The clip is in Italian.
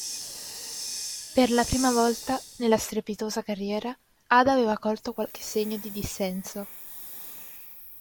Per la prima volta, nella strepitosa carriera, Ada aveva colto qualche segno di dissenso.